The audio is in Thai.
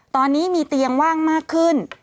ตอนนี้มีเตียงว่างมากขึ้น